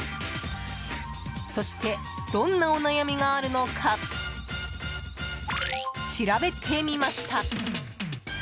そして、どんなお悩みがあるのか調べてみました。